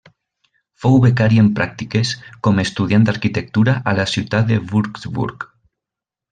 Fou becari en pràctiques, com estudiant d'arquitectura a la ciutat de Würzburg.